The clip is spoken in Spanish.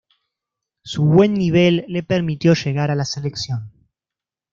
Su buen nivel le permitió llegar a la selección.